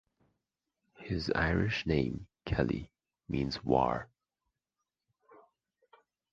His Irish name, Kelly, means "War".